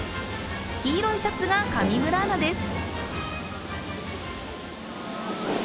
黄色いシャツが上村アナです。